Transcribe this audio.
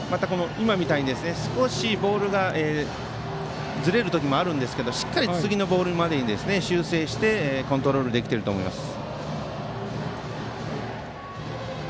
また、ボールが少しずれることもあるんですがしっかり次のボールまでに修正してコントロールできていると思います。